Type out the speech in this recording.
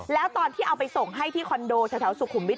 แล้วตอนที่เอาไปส่งให้ที่คอนโดแถวสุขุมวิท